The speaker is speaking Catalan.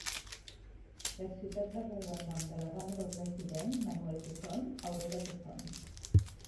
La ciutat va rebre el nom de la dona del president Manuel Quezon, Aurora Quezon.